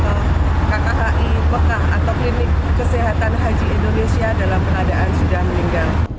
kkhi pekah atau klinik kesehatan haji indonesia dalam peradaan sudah meninggal